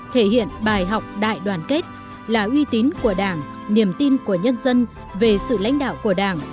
thể hiện bài học đại đoàn kết là uy tín của đảng niềm tin của nhân dân về sự lãnh đạo của đảng